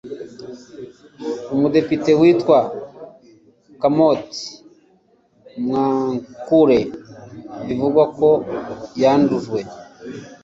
Umudepite witwa Kamoti Mwamkale bivugwa ko yandujwe